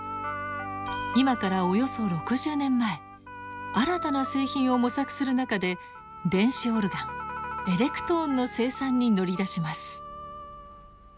今からおよそ６０年前新たな製品を模索する中で電子オルガンエレクトーンの生産に乗り出します。